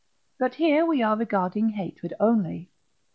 But here we are regarding hatred only.